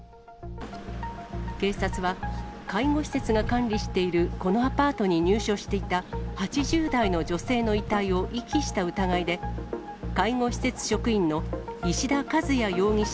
警察は、介護施設が管理しているこのアパートに入所していた８０代の女性の遺体を遺棄した疑いで、介護施設職員の石田兼也容疑者